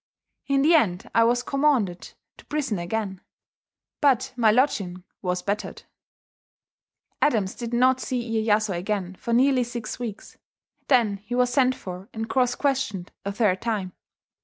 In the end I was commaunded to prisson agein, but my lodging was bettered." Adams did not see Iyeyasu again for nearly six weeks: then he was sent for, and cross questioned a third time.